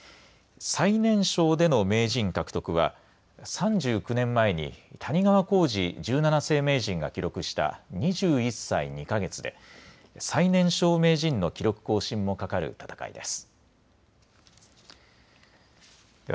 最年少での名人獲得は３９年前に谷川浩司十七世名人が記録した２１歳２か月で最年少名人の記録更新もかかる戦いです。